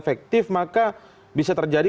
faktif maka bisa terjadi